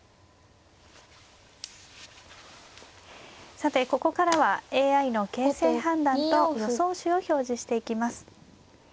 さてここからはＡＩの形勢判断と予想手を表示していきます。